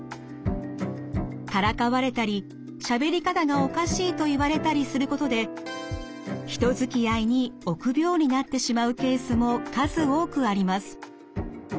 からかわれたりしゃべり方がおかしいと言われたりすることで人づきあいに臆病になってしまうケースも数多くあります。